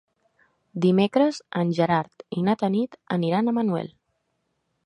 Dimecres en Gerard i na Tanit aniran a Manuel.